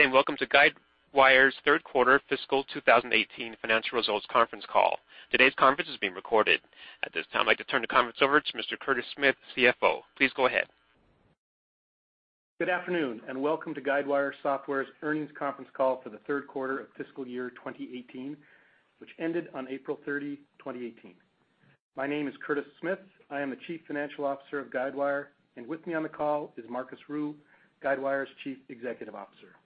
Good day, welcome to Guidewire's third quarter fiscal 2018 financial results conference call. Today's conference is being recorded. At this time, I'd like to turn the conference over to Mr. Curtis Smith, CFO. Please go ahead. Good afternoon, welcome to Guidewire Software's earnings conference call for the third quarter of fiscal year 2018, which ended on April 30, 2018. My name is Curtis Smith. I am the Chief Financial Officer of Guidewire, with me on the call is Marcus Ryu, Guidewire's Chief Executive Officer.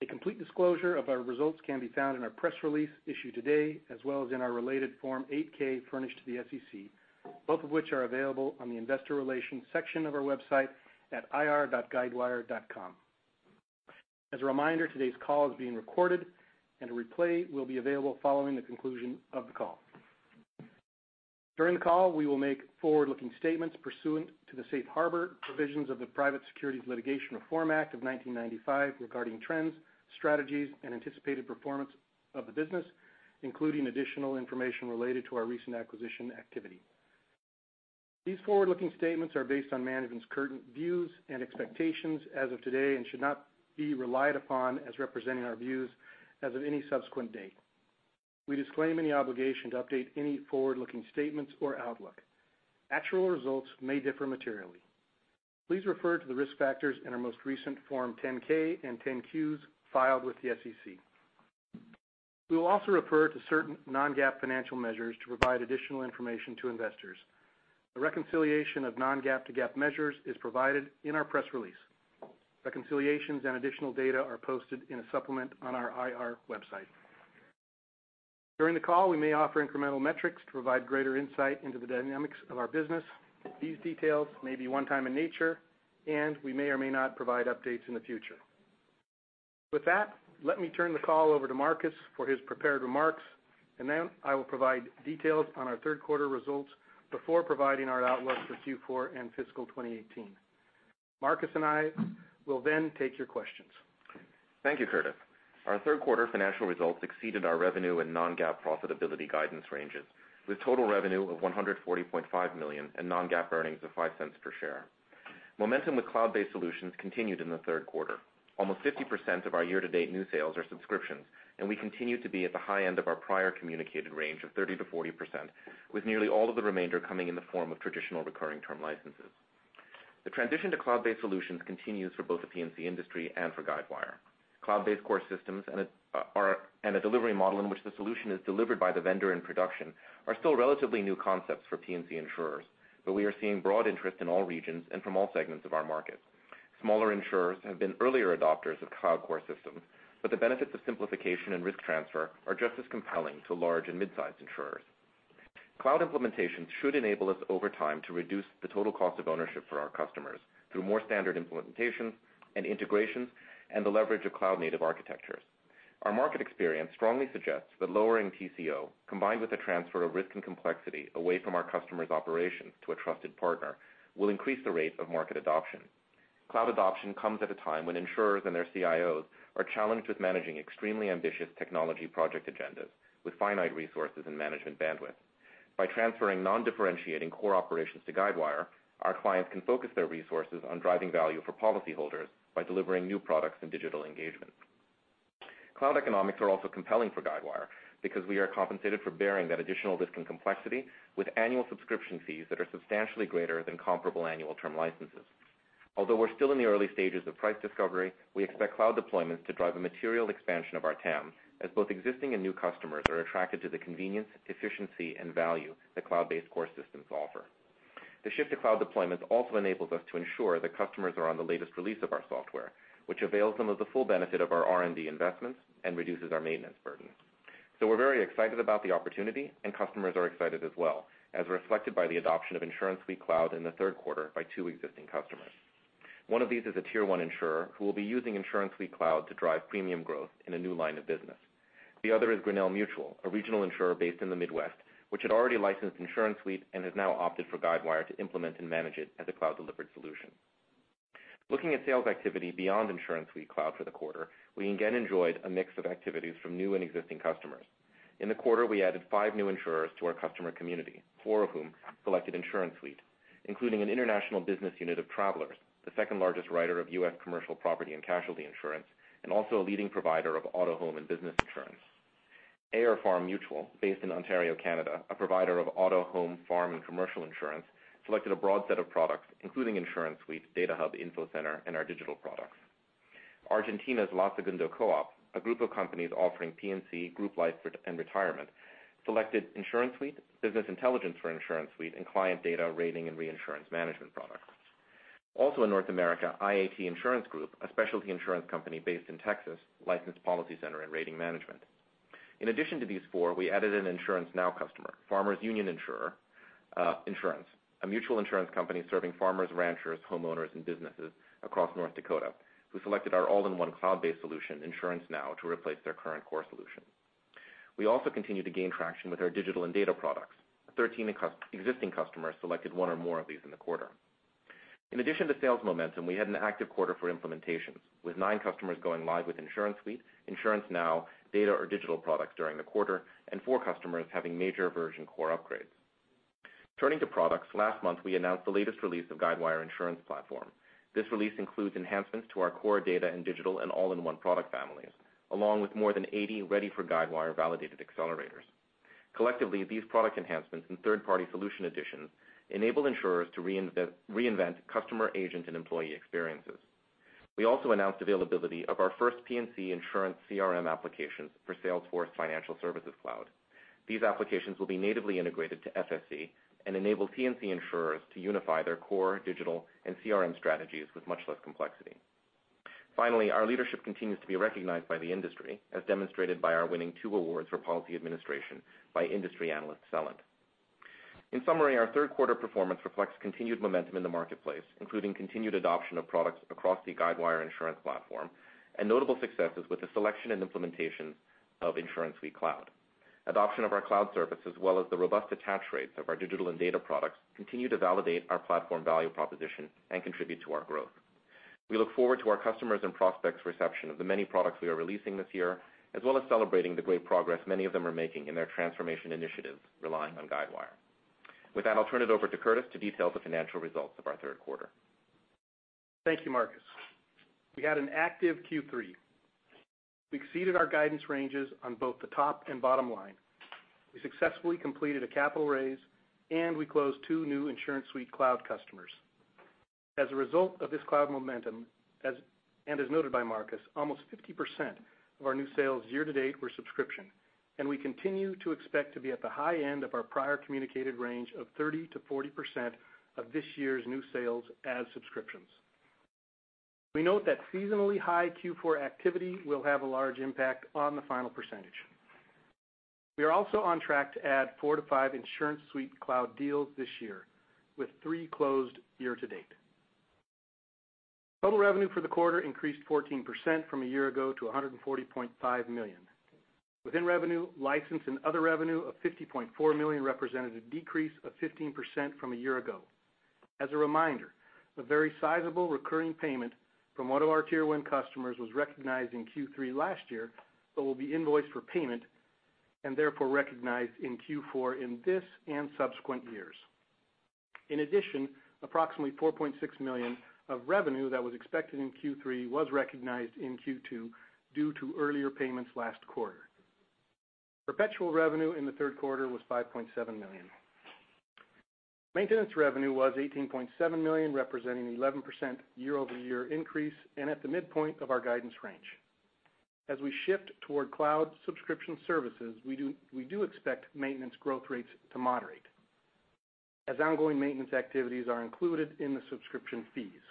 A complete disclosure of our results can be found in our press release issued today, as well as in our related Form 8-K furnished to the SEC, both of which are available on the IR section of our website at ir.guidewire.com. As a reminder, today's call is being recorded, a replay will be available following the conclusion of the call. During the call, we will make forward-looking statements pursuant to the safe harbor provisions of the Private Securities Litigation Reform Act of 1995 regarding trends, strategies, and anticipated performance of the business, including additional information related to our recent acquisition activity. These forward-looking statements are based on management's current views and expectations as of today and should not be relied upon as representing our views as of any subsequent date. We disclaim any obligation to update any forward-looking statements or outlook. Actual results may differ materially. Please refer to the risk factors in our most recent Form 10-K and 10-Qs filed with the SEC. We will also refer to certain non-GAAP financial measures to provide additional information to investors. A reconciliation of non-GAAP to GAAP measures is provided in our press release. Reconciliations and additional data are posted in a supplement on our IR website. During the call, we may offer incremental metrics to provide greater insight into the dynamics of our business. These details may be one time in nature, we may or may not provide updates in the future. With that, let me turn the call over to Marcus for his prepared remarks, then I will provide details on our third quarter results before providing our outlook for Q4 and fiscal 2018. Marcus and I will then take your questions. Thank you, Curtis. Our third quarter financial results exceeded our revenue and non-GAAP profitability guidance ranges, with total revenue of $140.5 million and non-GAAP earnings of $0.05 per share. Momentum with cloud-based solutions continued in the third quarter. Almost 50% of our year-to-date new sales are subscriptions, and we continue to be at the high end of our prior communicated range of 30%-40%, with nearly all of the remainder coming in the form of traditional recurring term licenses. The transition to cloud-based solutions continues for both the P&C industry and for Guidewire. Cloud-based core systems and a delivery model in which the solution is delivered by the vendor in production are still relatively new concepts for P&C insurers. We are seeing broad interest in all regions and from all segments of our markets. Smaller insurers have been earlier adopters of cloud core systems. The benefits of simplification and risk transfer are just as compelling to large and mid-size insurers. Cloud implementations should enable us over time to reduce the total cost of ownership for our customers through more standard implementations and integrations and the leverage of cloud-native architectures. Our market experience strongly suggests that lowering TCO, combined with a transfer of risk and complexity away from our customers' operations to a trusted partner, will increase the rate of market adoption. Cloud adoption comes at a time when insurers and their CIOs are challenged with managing extremely ambitious technology project agendas with finite resources and management bandwidth. By transferring non-differentiating core operations to Guidewire, our clients can focus their resources on driving value for policyholders by delivering new products and Digital Engagement. Cloud economics are also compelling for Guidewire because we are compensated for bearing that additional risk and complexity with annual subscription fees that are substantially greater than comparable annual term licenses. Although we're still in the early stages of price discovery, we expect cloud deployments to drive a material expansion of our TAM, as both existing and new customers are attracted to the convenience, efficiency, and value that cloud-based core systems offer. The shift to cloud deployments also enables us to ensure that customers are on the latest release of our software, which avails them of the full benefit of our R&D investments and reduces our maintenance burden. We're very excited about the opportunity, and customers are excited as well, as reflected by the adoption of InsuranceSuite Cloud in the third quarter by two existing customers. One of these is a tier 1 insurer who will be using InsuranceSuite Cloud to drive premium growth in a new line of business. The other is Grinnell Mutual, a regional insurer based in the Midwest, which had already licensed InsuranceSuite and has now opted for Guidewire to implement and manage it as a cloud-delivered solution. Looking at sales activity beyond InsuranceSuite Cloud for the quarter, we again enjoyed a mix of activities from new and existing customers. In the quarter, we added five new insurers to our customer community, four of whom selected InsuranceSuite, including an international business unit of Travelers, the second-largest writer of U.S. commercial property and casualty insurance and also a leading provider of auto, home, and business insurance. Ayr Farm Mutual, based in Ontario, Canada, a provider of auto, home, farm, and commercial insurance, selected a broad set of products, including InsuranceSuite, DataHub, InfoCenter, and our digital products. Argentina's La Segunda Co-op, a group of companies offering P&C, group life, and retirement, selected InsuranceSuite, Business Intelligence for InsuranceSuite, and Client Data, Rating, and reinsurance management products. Also in North America, IAT Insurance Group, a specialty insurance company based in Texas, licensed PolicyCenter and Rating Management. In addition to these four, we added an InsuranceNow customer, Farmers Union Insurance, a mutual insurance company serving farmers, ranchers, homeowners, and businesses across North Dakota, who selected our all-in-one cloud-based solution, InsuranceNow, to replace their current core solution. We also continue to gain traction with our digital and data products. 13 existing customers selected one or more of these in the quarter. In addition to sales momentum, we had an active quarter for implementations, with nine customers going live with InsuranceSuite, InsuranceNow, data or digital products during the quarter, and four customers having major version core upgrades. Turning to products. Last month, we announced the latest release of Guidewire Insurance Platform. This release includes enhancements to our core data and digital and all-in-one product families, along with more than 80 Ready for Guidewire validated accelerators. Collectively, these product enhancements and third-party solution additions enable insurers to reinvent customer agent and employee experiences. We also announced availability of our first P&C Insurance CRM applications for Salesforce Financial Services Cloud. These applications will be natively integrated to FSC and enable P&C insurers to unify their core digital and CRM strategies with much less complexity. Finally, our leadership continues to be recognized by the industry, as demonstrated by our winning two awards for policy administration by industry analyst Celent. In summary, our third quarter performance reflects continued momentum in the marketplace, including continued adoption of products across the Guidewire Insurance Platform, and notable successes with the selection and implementation of InsuranceSuite Cloud. Adoption of our cloud service, as well as the robust attach rates of our digital and data products, continue to validate our platform value proposition and contribute to our growth. We look forward to our customers' and prospects' reception of the many products we are releasing this year, as well as celebrating the great progress many of them are making in their transformation initiatives relying on Guidewire. With that, I'll turn it over to Curtis to detail the financial results of our third quarter. Thank you, Marcus. We had an active Q3. We exceeded our guidance ranges on both the top and bottom line. We successfully completed a capital raise, and we closed two new InsuranceSuite Cloud customers. As a result of this cloud momentum, and as noted by Marcus, almost 50% of our new sales year to date were subscription, and we continue to expect to be at the high end of our prior communicated range of 30%-40% of this year's new sales as subscriptions. We note that seasonally high Q4 activity will have a large impact on the final percentage. We are also on track to add four to five InsuranceSuite Cloud deals this year, with three closed year to date. Total revenue for the quarter increased 14% from a year ago to $140.5 million. Within revenue, license and other revenue of $50.4 million represented a decrease of 15% from a year ago. As a reminder, a very sizable recurring payment from one of our Tier 1 customers was recognized in Q3 last year, but will be invoiced for payment and therefore recognized in Q4 in this and subsequent years. In addition, approximately $4.6 million of revenue that was expected in Q3 was recognized in Q2 due to earlier payments last quarter. Perpetual revenue in the third quarter was $5.7 million. Maintenance revenue was $18.7 million, representing an 11% year-over-year increase and at the midpoint of our guidance range. As we shift toward cloud subscription services, we do expect maintenance growth rates to moderate, as ongoing maintenance activities are included in the subscription fees.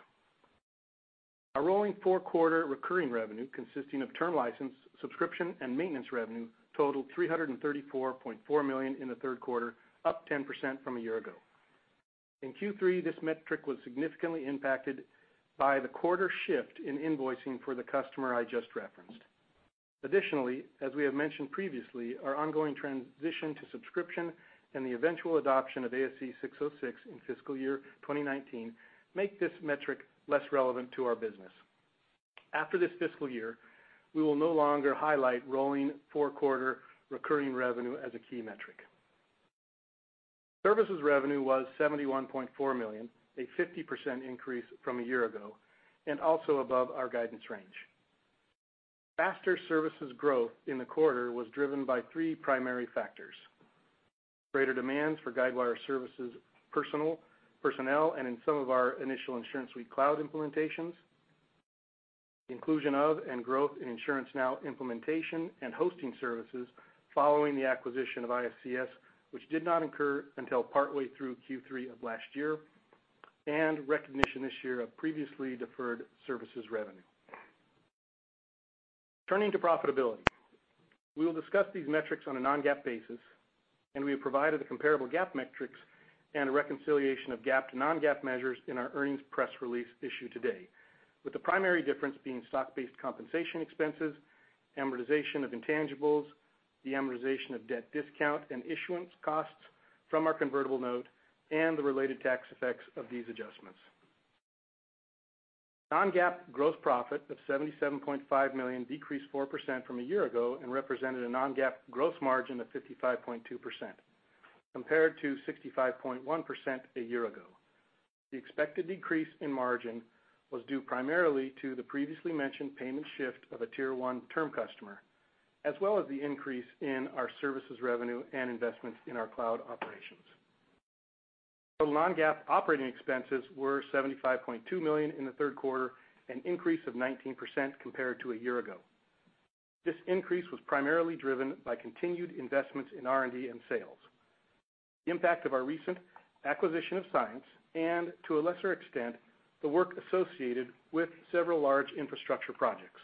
Our rolling four-quarter recurring revenue, consisting of term license, subscription, and maintenance revenue, totaled $334.4 million in the third quarter, up 10% from a year ago. In Q3, this metric was significantly impacted by the quarter shift in invoicing for the customer I just referenced. Additionally, as we have mentioned previously, our ongoing transition to subscription and the eventual adoption of ASC 606 in fiscal year 2019 make this metric less relevant to our business. After this fiscal year, we will no longer highlight rolling four-quarter recurring revenue as a key metric. Services revenue was $71.4 million, a 50% increase from a year ago and also above our guidance range. Faster services growth in the quarter was driven by three primary factors: greater demand for Guidewire services personnel and in some of our initial InsuranceSuite Cloud implementations, inclusion of and growth in InsuranceNow implementation and hosting services following the acquisition of ISCS, which did not incur until partly through Q3 of last year, and recognition this year of previously deferred services revenue. Turning to profitability. We will discuss these metrics on a non-GAAP basis, and we have provided the comparable GAAP metrics and a reconciliation of GAAP to non-GAAP measures in our earnings press release issued today, with the primary difference being stock-based compensation expenses, amortization of intangibles, the amortization of debt discount, and issuance costs from our convertible note, and the related tax effects of these adjustments. Non-GAAP gross profit of $77.5 million decreased 4% from a year ago and represented a non-GAAP gross margin of 55.2%, compared to 65.1% a year ago. The expected decrease in margin was due primarily to the previously mentioned payment shift of a Tier 1 term customer, as well as the increase in our services revenue and investments in our cloud operations. The non-GAAP operating expenses were $75.2 million in the third quarter, an increase of 19% compared to a year ago. This increase was primarily driven by continued investments in R&D and sales, the impact of our recent acquisition of Cyence, and to a lesser extent, the work associated with several large infrastructure projects,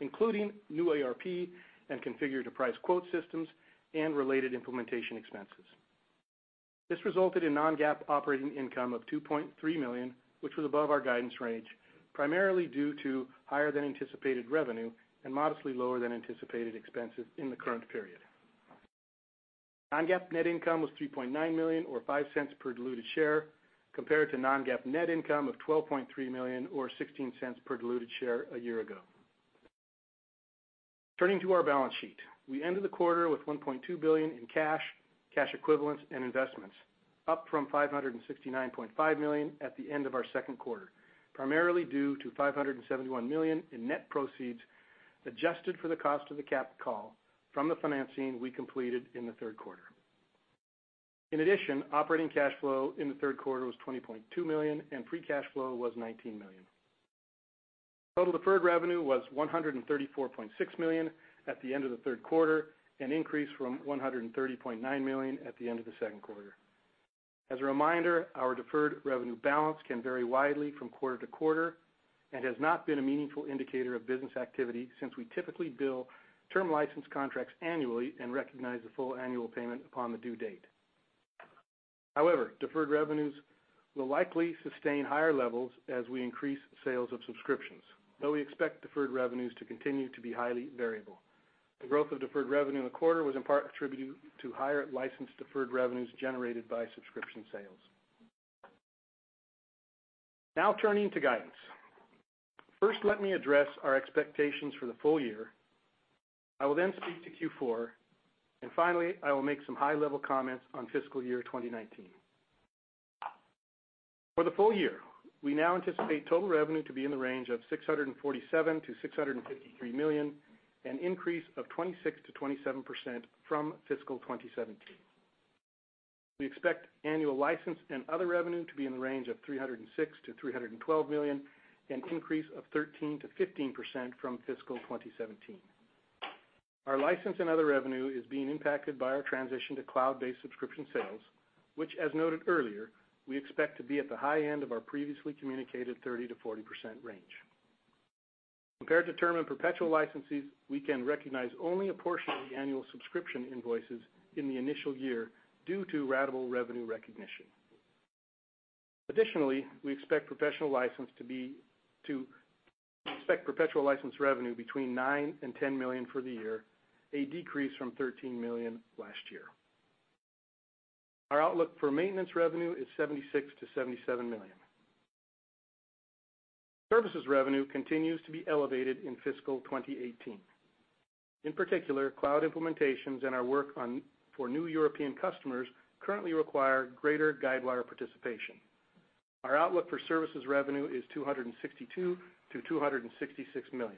including new ERP and configure-price-quote systems and related implementation expenses. This resulted in non-GAAP operating income of $2.3 million, which was above our guidance range, primarily due to higher-than-anticipated revenue and modestly lower than anticipated expenses in the current period. Non-GAAP net income was $3.9 million or $0.05 per diluted share, compared to non-GAAP net income of $12.3 million or $0.16 per diluted share a year ago. Turning to our balance sheet. We ended the quarter with $1.2 billion in cash equivalents, and investments, up from $569.5 million at the end of our second quarter, primarily due to $571 million in net proceeds, adjusted for the cost of the cap call from the financing we completed in the third quarter. In addition, operating cash flow in the third quarter was $20.2 million, and free cash flow was $19 million. Total deferred revenue was $134.6 million at the end of the third quarter, an increase from $130.9 million at the end of the second quarter. As a reminder, our deferred revenue balance can vary widely from quarter to quarter and has not been a meaningful indicator of business activity since we typically bill term license contracts annually and recognize the full annual payment upon the due date. However, deferred revenues will likely sustain higher levels as we increase sales of subscriptions, though we expect deferred revenues to continue to be highly variable. The growth of deferred revenue in the quarter was in part attributed to higher license deferred revenues generated by subscription sales. Now turning to guidance. First, let me address our expectations for the full year. I will speak to Q4, and finally, I will make some high-level comments on fiscal year 2019. For the full year, we now anticipate total revenue to be in the range of $647 million-$653 million, an increase of 26%-27% from fiscal 2017. We expect annual license and other revenue to be in the range of $306 million-$312 million, an increase of 13%-15% from fiscal 2017. Our license and other revenue is being impacted by our transition to cloud-based subscription sales, which as noted earlier, we expect to be at the high end of our previously communicated 30%-40% range. Compared to term and perpetual licenses, we can recognize only a portion of the annual subscription invoices in the initial year due to ratable revenue recognition. Additionally, we expect perpetual license revenue between $9 million-$10 million for the year, a decrease from $13 million last year. Our outlook for maintenance revenue is $76 million-$77 million. Services revenue continues to be elevated in fiscal 2018. In particular, cloud implementations and our work for new European customers currently require greater Guidewire participation. Our outlook for services revenue is $262 million-$266 million.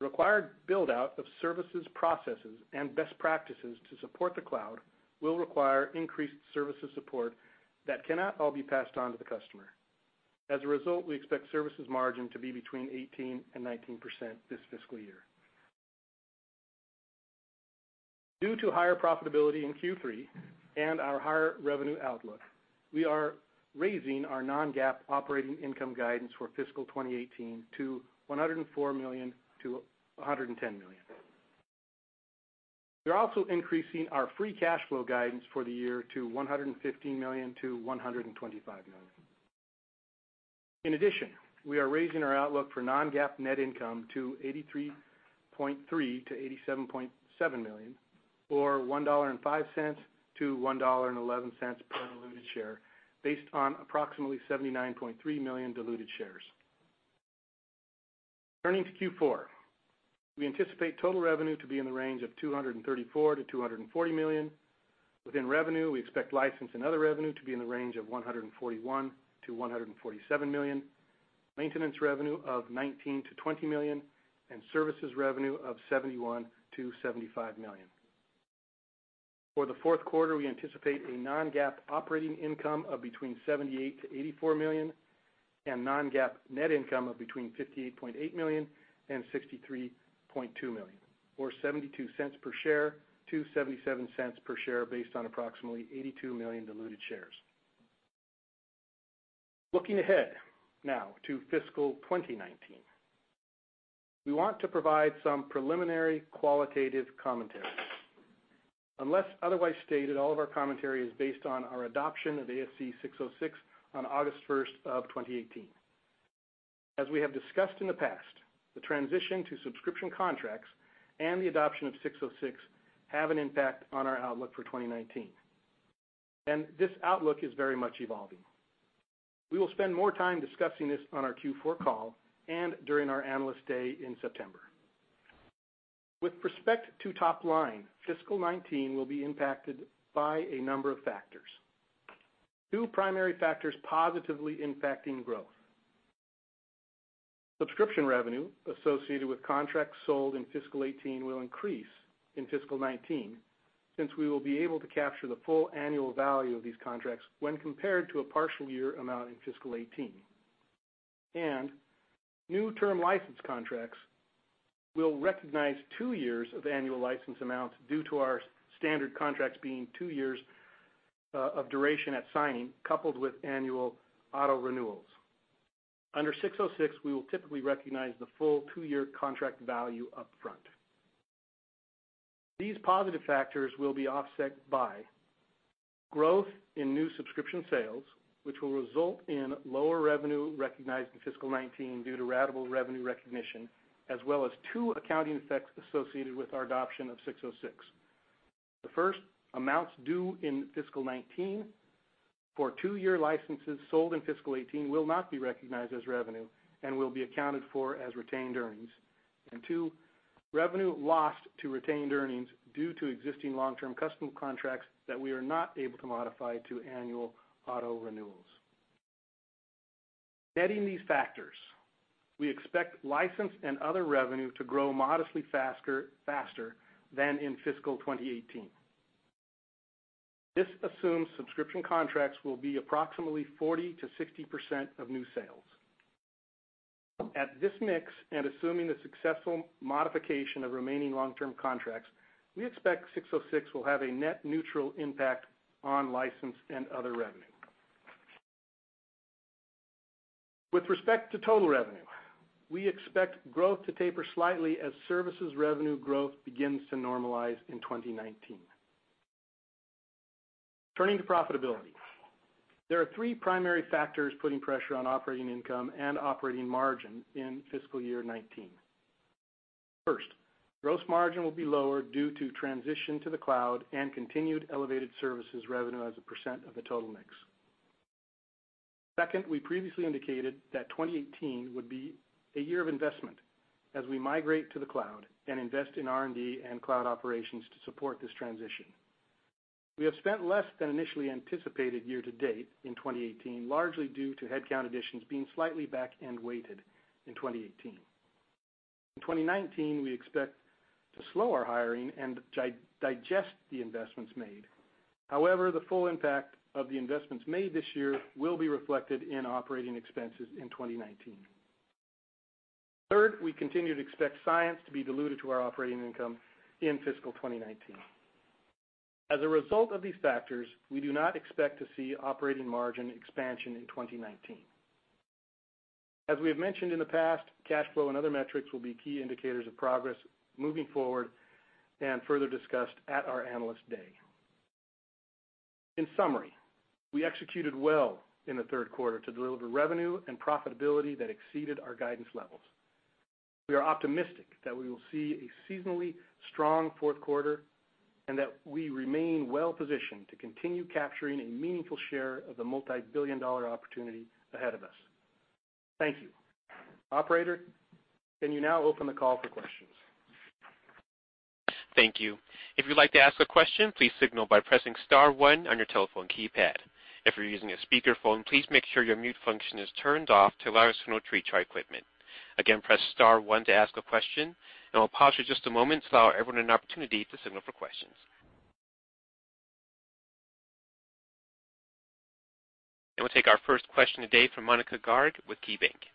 Required build-out of services, processes, and best practices to support the cloud will require increased services support that cannot all be passed on to the customer. As a result, we expect services margin to be between 18%-19% this fiscal year. Due to higher profitability in Q3 and our higher revenue outlook, we are raising our non-GAAP operating income guidance for fiscal 2018 to $104 million-$110 million. We're also increasing our free cash flow guidance for the year to $115 million-$125 million. In addition, we are raising our outlook for non-GAAP net income to $83.3 million-$87.7 million, or $1.05-$1.11 per diluted share, based on approximately 79.3 million diluted shares. Turning to Q4. We anticipate total revenue to be in the range of $234 million-$240 million. Within revenue, we expect license and other revenue to be in the range of $141 million-$147 million, maintenance revenue of $19 million-$20 million, and services revenue of $71 million-$75 million. For the fourth quarter, we anticipate a non-GAAP operating income of between $78 million-$84 million and non-GAAP net income of between $58.8 million and $63.2 million, or $0.72 per share-$0.77 per share based on approximately 82 million diluted shares. Looking ahead now to fiscal 2019. We want to provide some preliminary qualitative commentary. Unless otherwise stated, all of our commentary is based on our adoption of ASC 606 on August 1st, 2018. As we have discussed in the past, the transition to subscription contracts and the adoption of 606 have an impact on our outlook for 2019, and this outlook is very much evolving. We will spend more time discussing this on our Q4 call and during our Analyst Day in September. With respect to top line, fiscal 2019 will be impacted by a number of factors. Two primary factors positively impacting growth. Subscription revenue associated with contracts sold in fiscal 2018 will increase in fiscal 2019, since we will be able to capture the full annual value of these contracts when compared to a partial year amount in fiscal 2018. New term license contracts will recognize 2 years of annual license amounts due to our standard contracts being 2 years of duration at signing, coupled with annual auto renewals. Under 606, we will typically recognize the full 2-year contract value upfront. These positive factors will be offset by growth in new subscription sales, which will result in lower revenue recognized in fiscal 2019 due to ratable revenue recognition, as well as 2 accounting effects associated with our adoption of 606. The first, amounts due in fiscal 2019 for 2-year licenses sold in fiscal 2018 will not be recognized as revenue and will be accounted for as retained earnings. And 2, revenue lost to retained earnings due to existing long-term customer contracts that we are not able to modify to annual auto renewals. Netting these factors, we expect license and other revenue to grow modestly faster than in fiscal 2018. This assumes subscription contracts will be approximately 40%-60% of new sales. At this mix, and assuming the successful modification of remaining long-term contracts, we expect 606 will have a net neutral impact on license and other revenue. With respect to total revenue, we expect growth to taper slightly as services revenue growth begins to normalize in 2019. Turning to profitability, there are three primary factors putting pressure on operating income and operating margin in fiscal year 2019. First, gross margin will be lower due to transition to the cloud and continued elevated services revenue as a percent of the total mix. Second, we previously indicated that 2018 would be a year of investment as we migrate to the cloud and invest in R&D and cloud operations to support this transition. We have spent less than initially anticipated year-to-date in 2018, largely due to headcount additions being slightly back-end weighted in 2018. In 2019, we expect to slow our hiring and digest the investments made. The full impact of the investments made this year will be reflected in operating expenses in 2019. Third, we continue to expect Cyence to be diluted to our operating income in fiscal 2019. As a result of these factors, we do not expect to see operating margin expansion in 2019. As we have mentioned in the past, cash flow and other metrics will be key indicators of progress moving forward and further discussed at our Analyst Day. In summary, we executed well in the third quarter to deliver revenue and profitability that exceeded our guidance levels. We are optimistic that we will see a seasonally strong fourth quarter, and that we remain well-positioned to continue capturing a meaningful share of the multi-billion dollar opportunity ahead of us. Thank you. Operator, can you now open the call for questions? Thank you. If you'd like to ask a question, please signal by pressing *1 on your telephone keypad. If you're using a speakerphone, please make sure your mute function is turned off to allow us to know to reach our equipment. Again, press *1 to ask a question, and we'll pause for just a moment to allow everyone an opportunity to signal for questions. We'll take our first question today from Monika Garg with KeyBanc. Hi,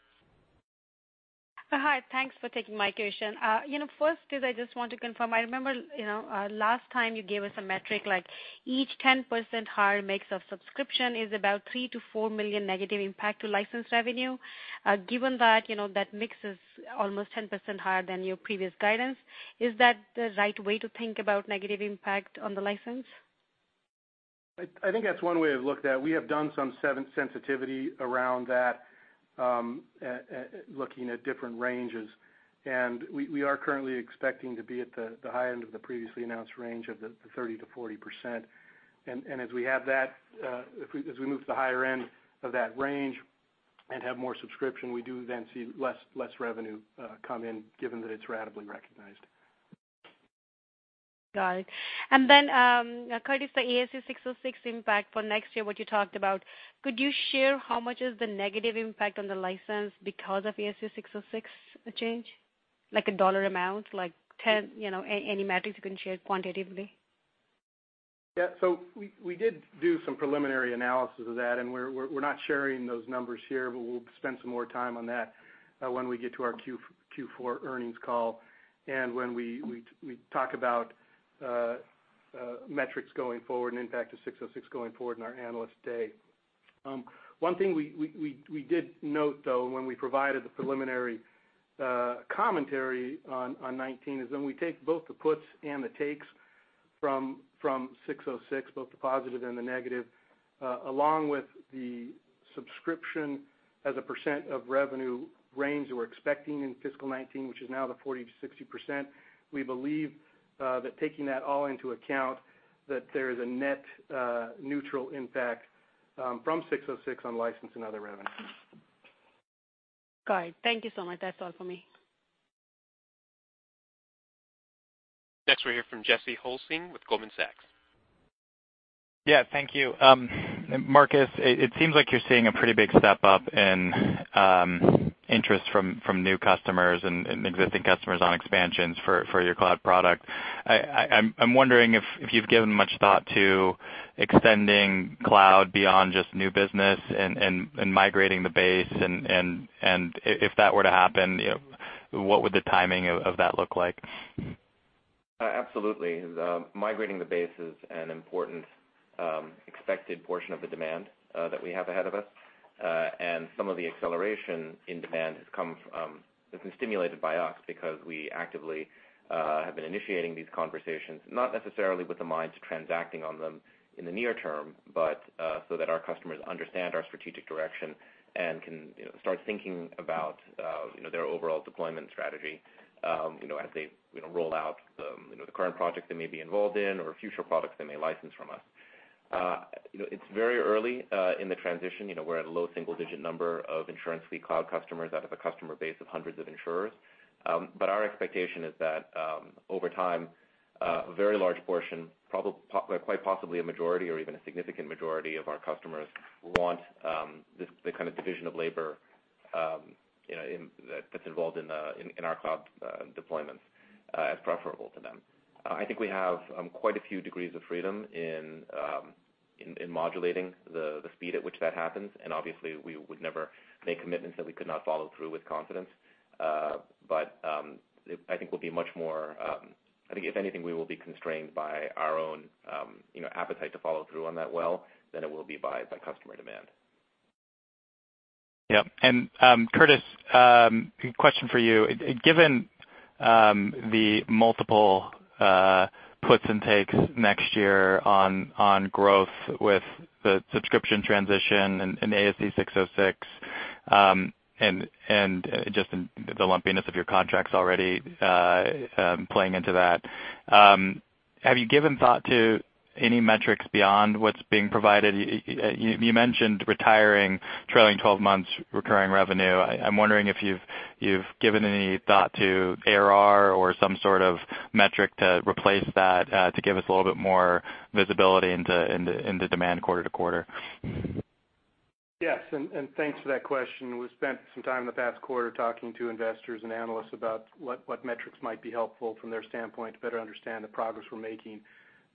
thanks for taking my question. First is I just want to confirm, I remember last time you gave us a metric like each 10% higher mix of subscription is about $3 million-$4 million negative impact to license revenue. Given that that mix is almost 10% higher than your previous guidance, is that the right way to think about negative impact on the license? I think that's one way of look at it. We have done some sensitivity around that, looking at different ranges, and we are currently expecting to be at the high end of the previously announced range of the 30%-40%. As we move to the higher end of that range and have more subscription, we do then see less revenue come in, given that it's ratably recognized. Got it. Curtis, the ASC 606 impact for next year, what you talked about, could you share how much is the negative impact on the license because of ASC 606 change? Like a dollar amount, like $10, any metrics you can share quantitatively? Yeah. We did do some preliminary analysis of that, We're not sharing those numbers here, but we'll spend some more time on that when we get to our Q4 earnings call and when we talk about metrics going forward and impact of 606 going forward in our Analyst Day. One thing we did note, though, when we provided the preliminary commentary on 2019, is when we take both the puts and the takes from 606, both the positive and the negative, along with the subscription as a percent of revenue range we're expecting in fiscal 2019, which is now the 40%-60%, we believe that taking that all into account, that there is a net neutral impact from 606 on license and other revenue. Got it. Thank you so much. That's all for me. Next we'll hear from Jesse Hulsing with Goldman Sachs. Yeah, thank you. Marcus, it seems like you're seeing a pretty big step-up in interest from new customers and existing customers on expansions for your cloud product. I'm wondering if you've given much thought to extending cloud beyond just new business and migrating the base, and if that were to happen, what would the timing of that look like? Absolutely. Migrating the base is an important expected portion of the demand that we have ahead of us. Some of the acceleration in demand has been stimulated by us because we actively have been initiating these conversations, not necessarily with the minds transacting on them in the near term, but so that our customers understand our strategic direction and can start thinking about their overall deployment strategy. As they roll out the current project they may be involved in or future products they may license from us. It's very early in the transition. We're at a low single-digit number of InsuranceSuite Cloud customers out of a customer base of hundreds of insurers. Our expectation is that, over time, a very large portion, quite possibly a majority or even a significant majority of our customers want the kind of division of labor that's involved in our cloud deployments as preferable to them. I think we have quite a few degrees of freedom in modulating the speed at which that happens. Obviously, we would never make commitments that we could not follow through with confidence. I think if anything, we will be constrained by our own appetite to follow through on that well than it will be by customer demand. Yep. Curtis, question for you. Given the multiple puts and takes next year on growth with the subscription transition and ASC 606, and just the lumpiness of your contracts already playing into that, have you given thought to any metrics beyond what's being provided? You mentioned retiring trailing 12 months recurring revenue. I'm wondering if you've given any thought to ARR or some sort of metric to replace that to give us a little bit more visibility into demand quarter-to-quarter. Yes. Thanks for that question. We spent some time in the past quarter talking to investors and analysts about what metrics might be helpful from their standpoint to better understand the progress we're making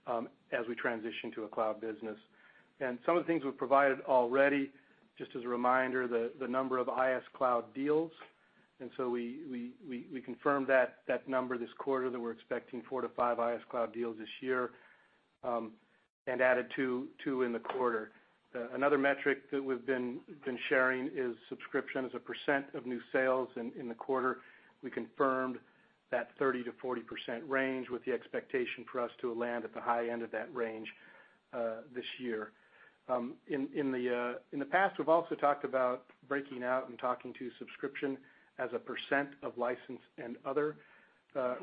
as we transition to a cloud business. Some of the things we've provided already, just as a reminder, the number of InsuranceSuite Cloud deals. We confirmed that number this quarter, that we're expecting 4 to 5 InsuranceSuite Cloud deals this year, and added 2 in the quarter. Another metric that we've been sharing is subscription as a % of new sales. In the quarter, we confirmed that 30%-40% range with the expectation for us to land at the high end of that range this year. In the past, we've also talked about breaking out and talking to subscription as a % of license and other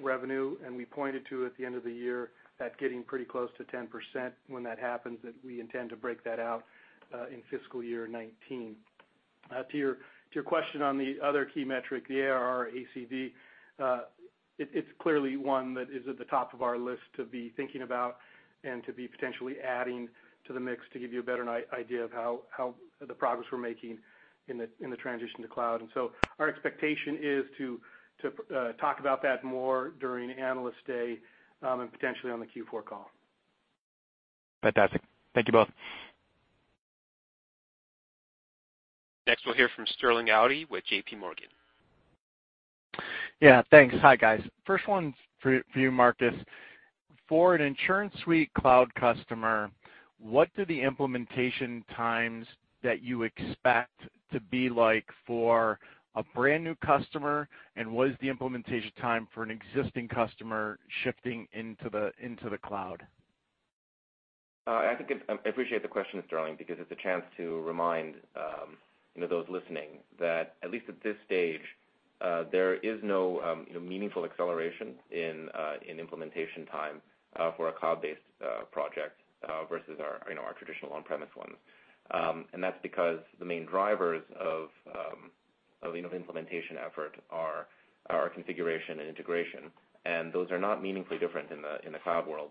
revenue. We pointed to, at the end of the year, that getting pretty close to 10%. When that happens, that we intend to break that out in FY 2019. To your question on the other key metric, the ARR ACV, it's clearly one that is at the top of our list to be thinking about and to be potentially adding to the mix to give you a better idea of the progress we're making in the transition to cloud. Our expectation is to talk about that more during Analyst Day, and potentially on the Q4 call. Fantastic. Thank you both. Next, we'll hear from Sterling Auty with JPMorgan. Yeah, thanks. Hi, guys. First one's for you, Marcus. For an InsuranceSuite Cloud customer, what do the implementation times that you expect to be like for a brand new customer? What is the implementation time for an existing customer shifting into the cloud? I appreciate the question, Sterling, because it's a chance to remind those listening that at least at this stage, there is no meaningful acceleration in implementation time for a cloud-based project versus our traditional on-premise ones. That's because the main drivers of implementation effort are configuration and integration. Those are not meaningfully different in the cloud world.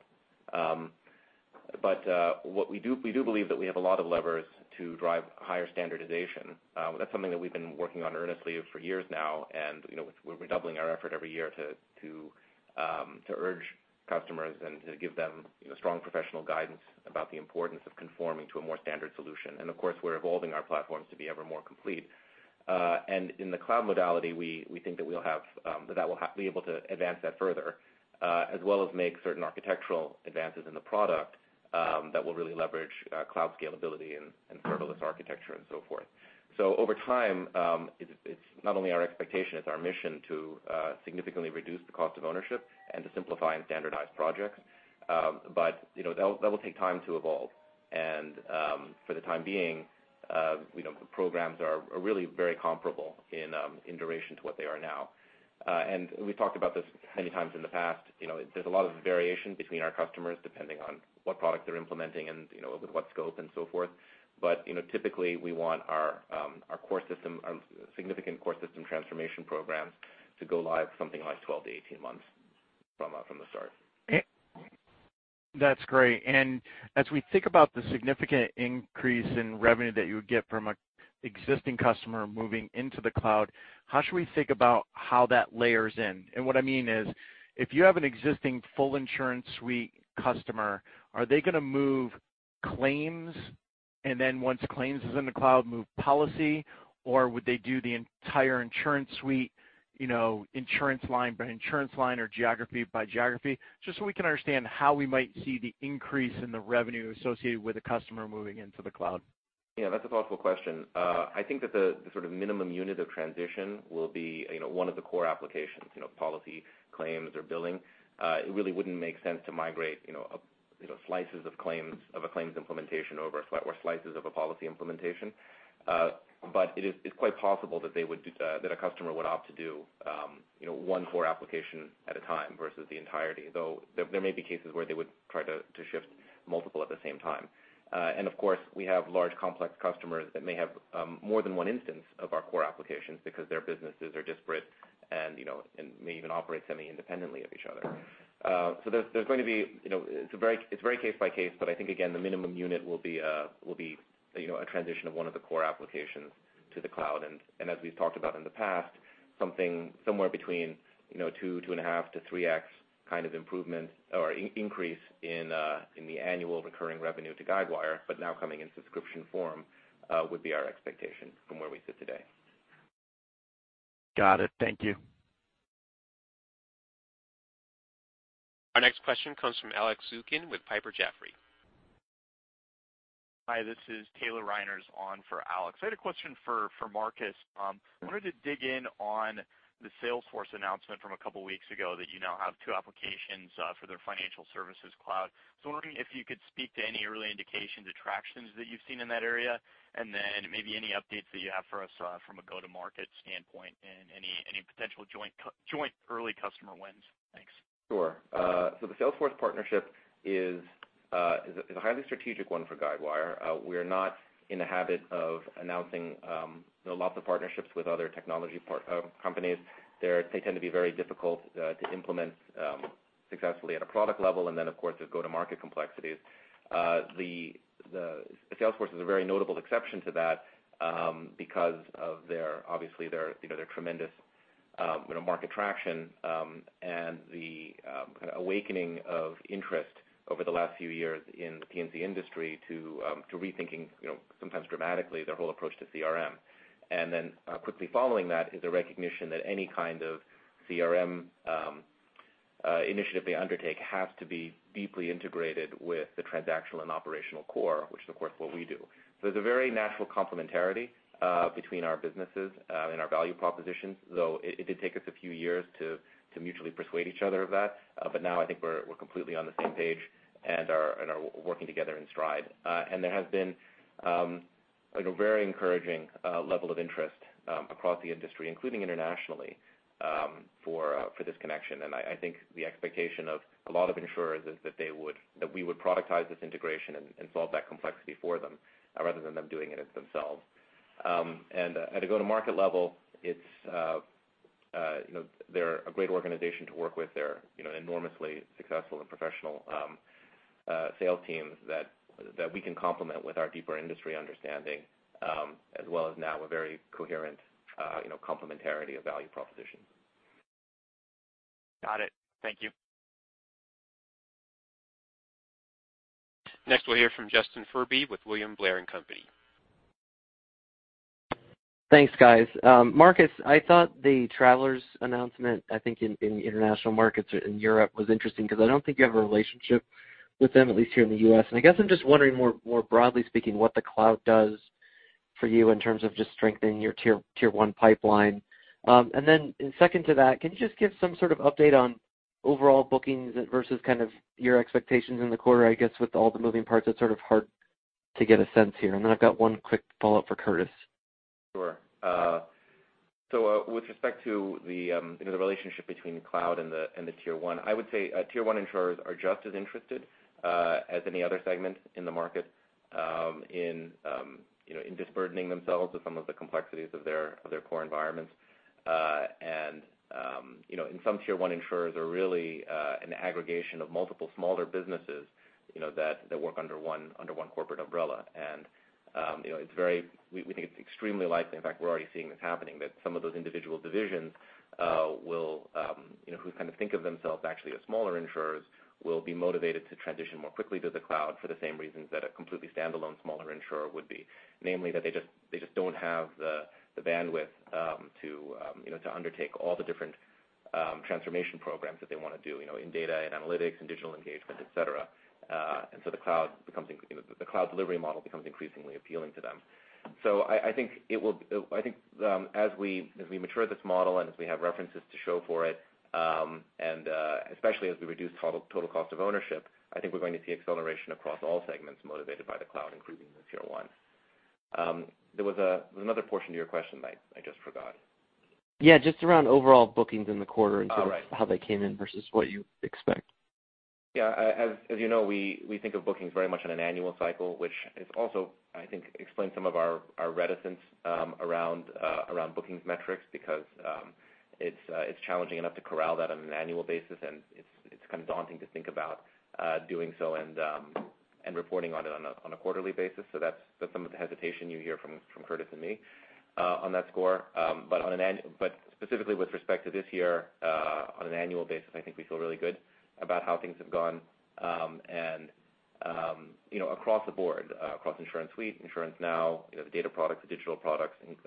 We do believe that we have a lot of levers to drive higher standardization. That's something that we've been working on earnestly for years now, we're doubling our effort every year to urge customers and to give them strong professional guidance about the importance of conforming to a more standard solution. Of course, we're evolving our platforms to be ever more complete. In the cloud modality, we think that we'll be able to advance that further, as well as make certain architectural advances in the product that will really leverage cloud scalability and serverless architecture and so forth. Over time, it's not only our expectation, it's our mission to significantly reduce the cost of ownership and to simplify and standardize projects. That will take time to evolve. For the time being, the programs are really very comparable in duration to what they are now. We've talked about this many times in the past. There's a lot of variation between our customers, depending on what product they're implementing and with what scope and so forth. Typically, we want our significant core system transformation programs to go live something like 12 to 18 months from the start. That's great. As we think about the significant increase in revenue that you would get from an existing customer moving into the cloud, how should we think about how that layers in? What I mean is, if you have an existing full InsuranceSuite customer, are they going to move claims and then once claims is in the cloud, move policy? Would they do the entire InsuranceSuite, insurance line by insurance line or geography by geography? Just so we can understand how we might see the increase in the revenue associated with a customer moving into the cloud. Yeah, that's a thoughtful question. I think that the sort of minimum unit of transition will be one of the core applications, policy claims or billing. It really wouldn't make sense to migrate slices of a claims implementation over, or slices of a policy implementation. It's quite possible that a customer would opt to do one core application at a time versus the entirety, though there may be cases where they would try to shift multiple at the same time. Of course, we have large, complex customers that may have more than one instance of our core applications because their businesses are disparate and may even operate semi-independently of each other. It's very case by case, but I think, again, the minimum unit will be a transition of one of the core applications to the cloud. As we've talked about in the past, somewhere between 2.5 to 3x kind of improvement or increase in the annual recurring revenue to Guidewire, but now coming in subscription form, would be our expectation from where we sit today. Got it. Thank you. Our next question comes from Alex Zukin with Piper Jaffray. Hi, this is Taylor Reiners on for Alex. I had a question for Marcus. I wanted to dig in on the Salesforce announcement from a couple of weeks ago that you now have two applications for their Salesforce Financial Services Cloud. I was wondering if you could speak to any early indications or tractions that you've seen in that area, then maybe any updates that you have for us from a go-to-market standpoint and any potential joint early customer wins. Thanks. Sure. The Salesforce partnership is a highly strategic one for Guidewire. We are not in the habit of announcing lots of partnerships with other technology companies. They tend to be very difficult to implement successfully at a product level, then, of course, there's go-to-market complexities. The Salesforce is a very notable exception to that because of their tremendous market traction and the awakening of interest over the last few years in the P&C industry to rethinking, sometimes dramatically, their whole approach to CRM. Quickly following that is a recognition that any kind of CRM initiative they undertake has to be deeply integrated with the transactional and operational core, which is, of course, what we do. There's a very natural complementarity between our businesses and our value propositions, though it did take us a few years to mutually persuade each other of that. Now I think we're completely on the same page and are working together in stride. There has been a very encouraging level of interest across the industry, including internationally for this connection. I think the expectation of a lot of insurers is that we would productize this integration and solve that complexity for them rather than them doing it themselves. At a go-to-market level, they're a great organization to work with. They're enormously successful and professional sales teams that we can complement with our deeper industry understanding as well as now a very coherent complementarity of value propositions. Got it. Thank you. Next, we'll hear from Justin Furby with William Blair & Company. Thanks, guys. Marcus, I thought the Travelers announcement, I think in international markets in Europe was interesting because I don't think you have a relationship with them, at least here in the U.S. I guess I'm just wondering more broadly speaking, what the cloud does for you in terms of just strengthening your tier 1 pipeline. Second to that, can you just give some sort of update on overall bookings versus kind of your expectations in the quarter? I guess with all the moving parts, it's sort of hard to get a sense here. I've got one quick follow-up for Curtis. Sure. With respect to the relationship between cloud and the tier 1, I would say tier 1 insurers are just as interested as any other segment in the market in disburdening themselves of some of the complexities of their core environments. Some tier 1 insurers are really an aggregation of multiple smaller businesses that work under one corporate umbrella. We think it's extremely likely, in fact, we're already seeing this happening, that some of those individual divisions who kind of think of themselves actually as smaller insurers, will be motivated to transition more quickly to the cloud for the same reasons that a completely standalone smaller insurer would be. Namely, that they just don't have the bandwidth to undertake all the different transformation programs that they want to do in data and analytics and Digital Engagement, et cetera. The cloud delivery model becomes increasingly appealing to them. I think as we mature this model and as we have references to show for it, especially as we reduce total cost of ownership, I think we're going to see acceleration across all segments motivated by the cloud, including the tier 1. There was another portion to your question I just forgot. Yeah, just around overall bookings in the quarter- All right in terms of how they came in versus what you expect. As you know, we think of bookings very much on an annual cycle, which is also, I think, explains some of our reticence around bookings metrics because it's challenging enough to corral that on an annual basis and it's kind of daunting to think about doing so and reporting on it on a quarterly basis. That's some of the hesitation you hear from Curtis and me on that score. Specifically with respect to this year, on an annual basis, I think we feel really good about how things have gone. Across the board, across InsuranceSuite, InsuranceNow, the data products, the digital products, and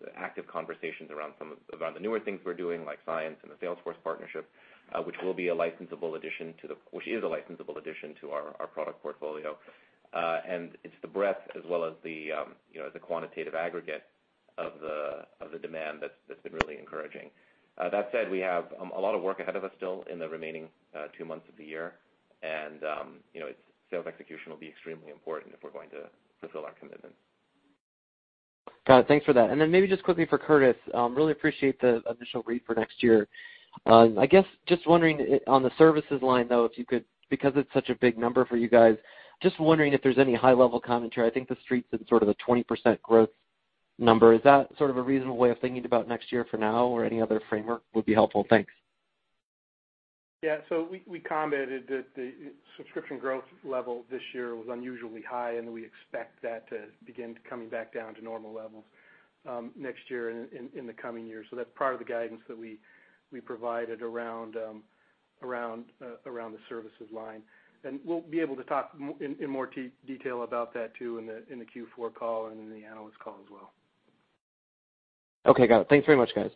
the active conversations around the newer things we're doing, like Cyence and the Salesforce partnership which is a licensable addition to our product portfolio. It's the breadth as well as the quantitative aggregate of the demand that's been really encouraging. That said, we have a lot of work ahead of us still in the remaining two months of the year. Sales execution will be extremely important if we're going to fulfill our commitments. Got it. Thanks for that. Then maybe just quickly for Curtis, really appreciate the initial read for next year. I guess, just wondering on the services line, though, if you could, because it's such a big number for you guys, just wondering if there's any high-level commentary. I think the Street's in sort of a 20% growth number. Is that sort of a reasonable way of thinking about next year for now, or any other framework would be helpful? Thanks. Yeah. We commented that the subscription growth level this year was unusually high. We expect that to begin coming back down to normal levels next year and in the coming years. That's part of the guidance that we provided around the services line. We'll be able to talk in more detail about that, too, in the Q4 call and in the analyst call as well. Okay, got it. Thanks very much, guys.